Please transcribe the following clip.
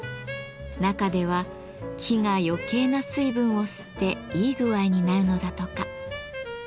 中では木が余計な水分を吸っていい具合になるのだとか。